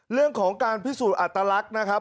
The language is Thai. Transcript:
เรื่องของการพิสูจน์อัตลักษณ์นะครับ